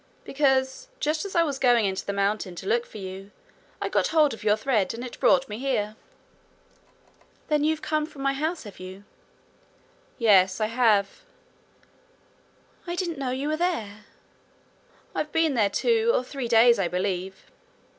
'Because, just as I was going into the mountain to look for you, I got hold of your thread, and it brought me here.' 'Then you've come from my house, have you?' 'Yes, I have.' 'I didn't know you were there.' 'I've been there two or three days, I believe.'